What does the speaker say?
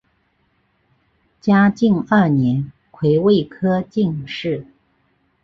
嘉靖二年癸未科进士。